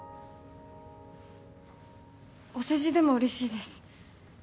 お世辞でもうれしいです。